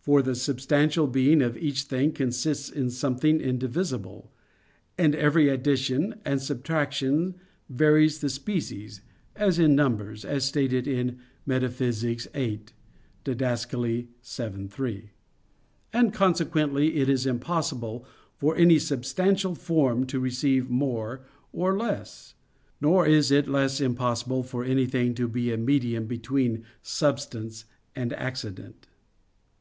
For the substantial being of each thing consists in something indivisible, and every addition and subtraction varies the species, as in numbers, as stated in Metaph. viii (Did. vii, 3); and consequently it is impossible for any substantial form to receive "more" or "less." Nor is it less impossible for anything to be a medium between substance and accident.